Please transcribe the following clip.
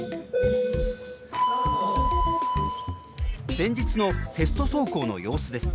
前日のテスト走行の様子です。